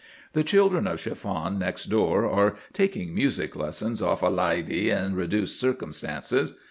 The children of Chiffon next door are "taking music lessons off a lidy in reduced circumstances."